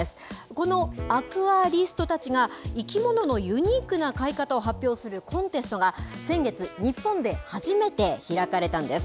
このアクアリストたちが、生き物のユニークな飼い方を発表するコンテストが、先月、日本で初めて開かれたんです。